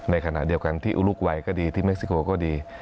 ในขณะเดียวกันที่อุลุกวัยก็ดีที่เม็กซิโกก็ดี